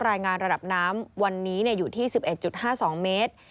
รายงานระดับน้ำวันนี้อยู่ที่๑๑๕๒เมตร